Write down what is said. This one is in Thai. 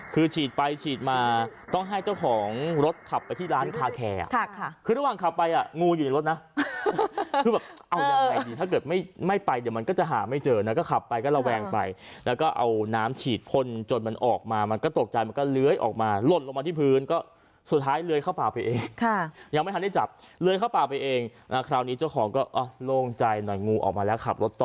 คือฉีดไปฉีดมาต้องให้เจ้าของรถขับเลยไปที่ร้านคาแค